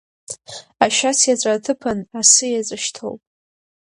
Ашьац иаҵәа аҭыԥан асы иаҵәа шьҭоуп…